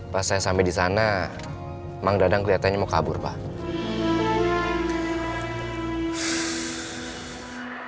pas saya sampai di sana bang dadang kelihatannya mau kabur bang